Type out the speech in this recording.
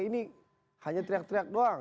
ini hanya teriak teriak doang